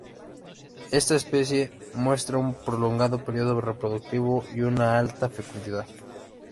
Esta especie muestra un prolongado periodo reproductivo y una alta fecundidad.